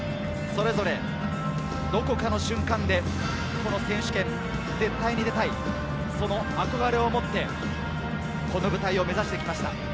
それぞれどこかの瞬間でこの選手権に絶対に出たい、その憧れを持って、この舞台を目指してきました。